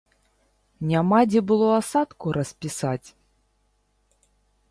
Няма дзе было асадку распісаць?